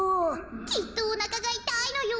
きっとおなかがいたいのよ。